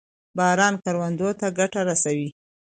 باران کروندو ته ګټه رسوي.